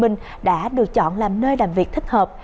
điều chọn làm nơi làm việc thích hợp